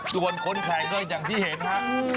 ทุกคนค้นแข่งเลยอย่างที่เห็นฮะ